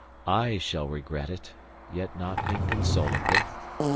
I shall regret it, yet not inconsolably.